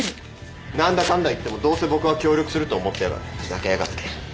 何だかんだ言ってもどうせ僕は協力すると思ってやがる。